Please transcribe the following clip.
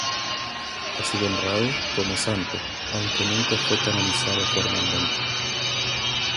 Ha sido honrado como santo aunque nunca fue canonizado formalmente.